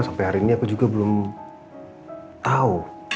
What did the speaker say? sampai hari ini aku juga belum tahu